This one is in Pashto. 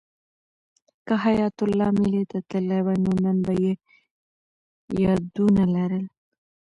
که حیات الله مېلې ته تللی وای نو نن به یې یادونه لرل.